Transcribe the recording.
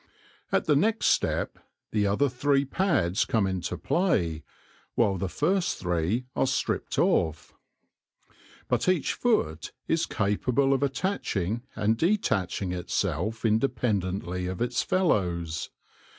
At the next step the other three pads come into play, while the first three are stripped off. But each foot is capable of attaching and detach ing itself independently of its fellows.